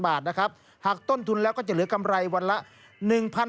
บาทนะครับหากต้นทุนแล้วก็จะเหลือกำไรวันละ๑๐๐